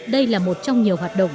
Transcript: đây là một trong nhiều hoạt động